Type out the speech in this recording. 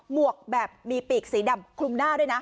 วกแบบมีปีกสีดำคลุมหน้าด้วยนะ